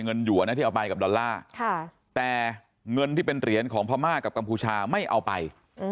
อยู่นะที่เอาไปกับดอลลาร์แต่เงินที่เป็นเหรียญของพม่ากับกัมพูชาไม่เอาไป